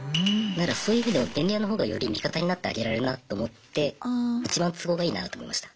そういう意味でも便利屋のほうがより味方になってあげられるなと思っていちばん都合がいいなと思いました。